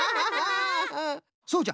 そうじゃ。